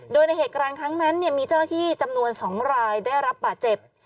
โดยในเหตุการณ์ครั้งนั้นมีเจ้าหน้าที่จำนวน๒รายได้รับบาดเจ็บ